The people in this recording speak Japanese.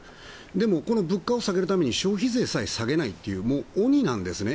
でも、物価を下げるために消費税さえ下げないという鬼なんですね。